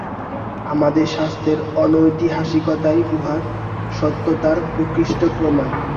আমাদের শাস্ত্রের অনৈতিহাসিকতাই উহার সত্যতার প্রকৃষ্ট প্রমাণ।